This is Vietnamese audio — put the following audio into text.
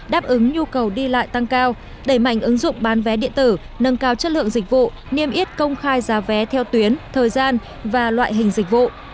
đáp ứng nhu cầu đi lại tăng cao đẩy mạnh ứng dụng bán vé điện tử nâng cao chất lượng dịch vụ niêm yết công khai giá vé theo tuyến thời gian và loại hình dịch vụ